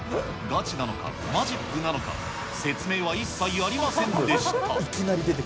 がちなのか、マジックなのか、説明は一切ありませんでした。